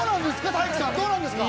体育さんどうなんですか？